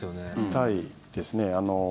痛いですね。